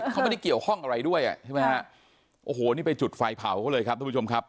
เขาไม่ได้เกี่ยวข้องอะไรด้วยอ่ะใช่ไหมฮะโอ้โหนี่ไปจุดไฟเผาเขาเลยครับทุกผู้ชมครับ